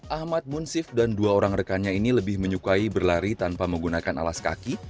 ahmad munsif dan dua orang rekannya ini lebih menyukai berlari tanpa menggunakan alas kaki